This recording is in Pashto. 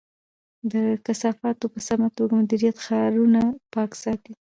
د کثافاتو په سمه توګه مدیریت ښارونه پاک ساتي.